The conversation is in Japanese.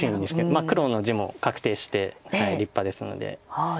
黒の地も確定して立派ですので。